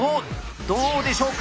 どうでしょうか？